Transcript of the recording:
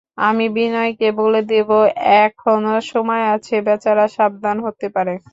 আমি বিনয়কে বলে দেব, এখনো সময় আছে, বেচারা সাবধান হতে পারে।